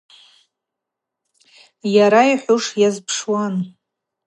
Йара йхӏвуш йазпшуан.